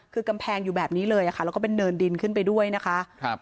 คือกำแพงอยู่แบบนี้เลยค่ะแล้วก็เป็นเนินดินขึ้นไปด้วยนะคะครับ